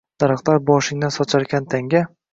Daraxtlar boshingdan socharkan tanga?